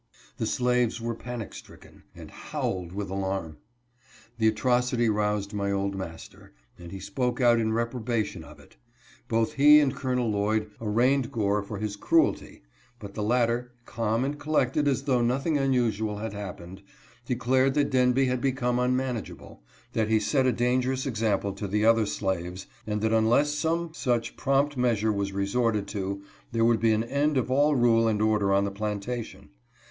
The slaves were panic stricken, and howled with alarm. The atrocity roused my old master, and he spoke out in reprobation of it. Both he and Col. Lloyd arraigned Gore for his cruelty ; but the latter, calm and collected as though nothing unu sual had happened, declared that Denby had become un manageable ; that he set a dangerous example to the other slaves, and that unless some such prompt measure was resorted to there would be an end of all rule and order on the plantation.